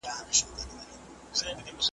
د علم او تربیت وده همیشه یوه اړتیا ده.